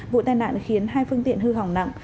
vụ tai nạn khiến hai phương tiện hư hỏng nặng